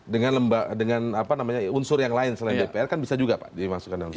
dengan unsur yang lain selain dpr kan bisa juga pak dimasukkan dalam